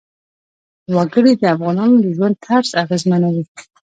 وګړي د افغانانو د ژوند طرز اغېزمنوي.